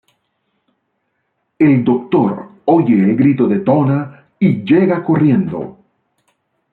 El Doctor oye el grito de Donna y llega corriendo.